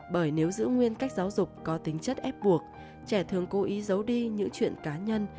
bởi nếu giữ nguyên cách giáo dục có tính chất ép buộc trẻ thường cố ý giấu đi những chuyện cá nhân